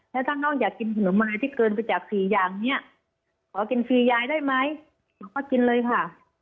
แล้วถ้าน้องอยากกินขนมไม้ที่เกินไปจาก๔อย่างนี้ขอกิน๔ยายได้ไหมก็กินเลยค่ะ